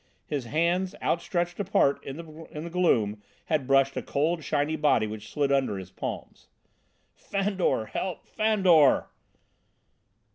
His hands, outstretched apart, in the gloom, had brushed a cold, shiny body which slid under his palms. "Fandor! Help, Fandor!"